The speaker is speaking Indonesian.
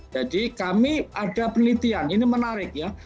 jadi kami ada penelitian ini menarik ya